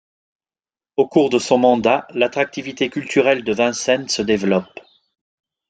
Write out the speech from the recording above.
Au cours de son mandat, l’attractivité culturelle de Vincennes se développe.